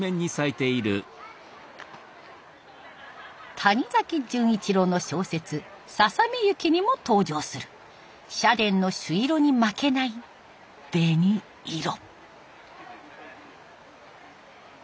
谷崎潤一郎の小説「細雪」にも登場する社殿の朱色に負けない紅色。